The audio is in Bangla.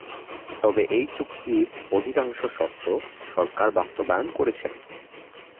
তবে এই চুক্তির অধিকাংশ শর্ত সরকার বাস্তবায়ন করেছেন।